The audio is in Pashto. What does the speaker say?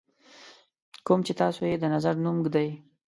کوم چې تاسو یې د نظر نوم ږدئ.